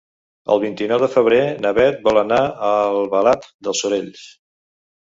El vint-i-nou de febrer na Bet vol anar a Albalat dels Sorells.